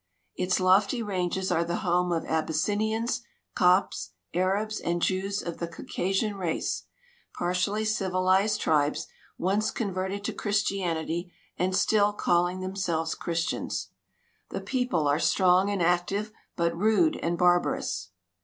Its lofty ranges are the home of Abyssinians, Copts, Arabs, and Jews of the Cauca sian race — partially civilized tribes, once converted to Christi anity, and still calling themselves Christians. The people are strong and active, but rude and barbarous.